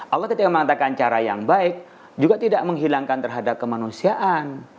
allah ketika mengatakan cara yang baik juga tidak menghilangkan terhadap kemanusiaan